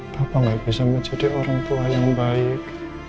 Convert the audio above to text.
papa gak bisa menjadi orang tua yang baik